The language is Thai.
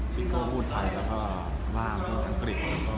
ซิโก้พูดไทยแล้วก็มากพูดอังกฤษ